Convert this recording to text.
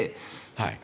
はい。